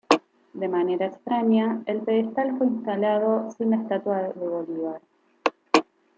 De manera extraña, el pedestal fue instalado sin la estatua de Bolívar.